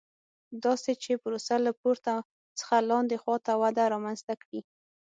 داسې چې پروسه له پورته څخه لاندې خوا ته وده رامنځته کړي.